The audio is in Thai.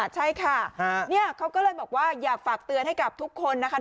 ใช่ค่ะเขาก็เลยบอกว่าอยากฝากเตือนให้กับทุกคนนะคะ